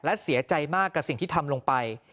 และเสียใจมากกับสิ่งที่ทำลงไป